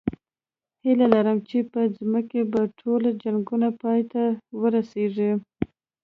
هیله لرم چې په ځمکه به ټول جنګونه پای ته ورسېږي